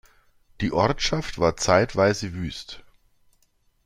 Die Ortschaft war zeitweise wüst.